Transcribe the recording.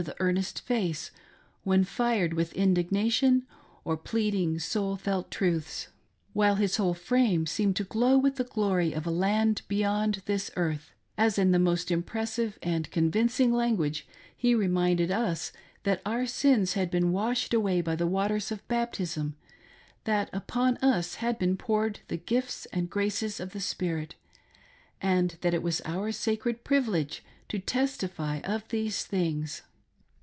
the earnest face when fired with indignation or pleading soul felt truths ; while THE MORMON MARSEILLAISE. 59 his whole frame seemed to glow with the glory of a land beyond this earth, as in the most impressive and convincing language he reminded us that our sins had been washed away by the waters of baptism, that upon us had been poured the gifts and graces of the Spirit, and that it was our sacred privilege, to testify of these things.